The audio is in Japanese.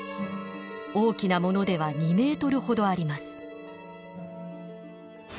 大きなものでは２ｍほどあります。